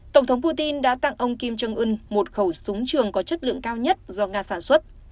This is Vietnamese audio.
tổng thống putin đã tặng ông kim jong un một khẩu súng trường có chất lượng cao nhất do nga sản xuất